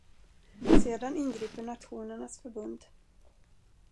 Sedan ingriper Nationernas förbund.